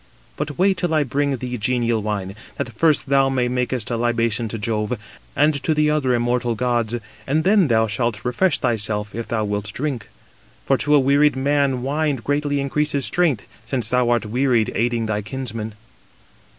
But wait till I bring thee genial wine, that first thou mayest make a libation to Jove, and to the other immortal gods, and then thou shalt refresh thyself, if thou wilt drink. For to a wearied man wine greatly increases strength; since thou art wearied aiding thy kinsmen."